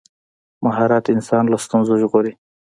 مهارت انسان له ستونزو ژغوري.